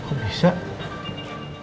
apa kalian berantem lagi